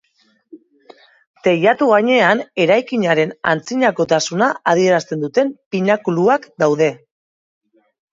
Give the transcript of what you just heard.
Teilatu gainean eraikinaren antzinakotasuna adierazten duten pinakuluak daude.